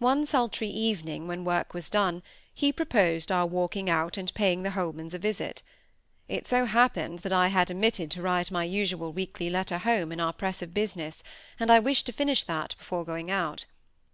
One sultry evening, when work was done, he proposed our walking out and paying the Holmans a visit. It so happened that I had omitted to write my usual weekly letter home in our press of business, and I wished to finish that before going out.